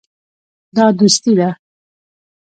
دا دوستي ده.